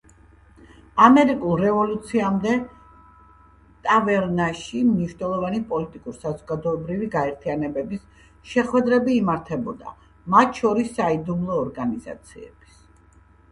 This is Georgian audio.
ამერიკულ რევოლუციამდე ტავერნაში, მნიშვნელოვანი პოლიტიკურ-საზოგადოებრივი გაერთიანებების შეხვედრები იმართებოდა, მათ შორის საიდუმლო ორგანიზაციების.